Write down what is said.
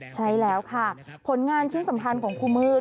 ใช่แล้วค่ะผลงานชิ้นสำคัญของครูมืด